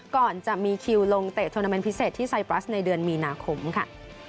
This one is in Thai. ก่อนจะมีคิวลงเตะโทนาเมนต์พิเศษที่ไซปรัสในเดือนมีนาคมค่ะ